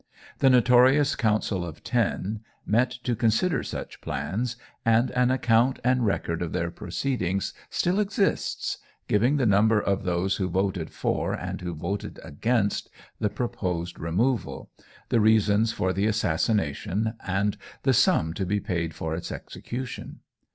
The notorious Council of Ten met to consider such plans, and an account and record of their proceedings still exists, giving the number of those who voted for and who voted against the proposed removal, the reasons for the assassination, and the sum to be paid for its execution.